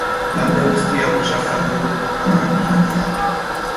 Talde guztiak besarkatu du arratiarra.